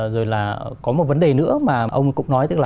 rồi là có một vấn đề nữa mà ông cũng nói tức là